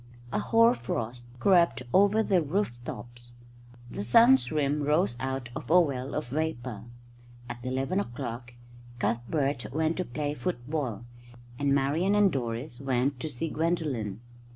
A hoar frost crept over the roof tops. The sun's rim rose out of a well of vapour. At eleven o'clock Cuthbert went to play football, and Marian and Doris went to see Gwendolen.